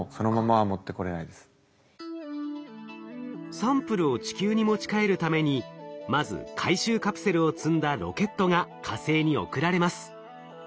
サンプルを地球に持ち帰るためにまず回収カプセルを積んだロケットが火星に送られます。